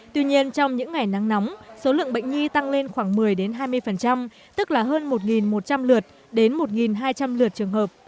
tuy nhiên trong những ngày nắng nóng số lượng bệnh nhi tăng lên khoảng một mươi hai mươi tức là hơn một một trăm linh lượt đến một hai trăm linh lượt trường hợp